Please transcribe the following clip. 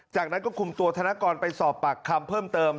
จากนั้นก็คุมตัวธนกรไปสอบปากคำเพิ่มเติม